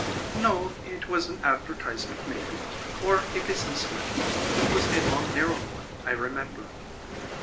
"No, it was an advertisement, maybe, or a business letter. It was a long narrow one, I remember."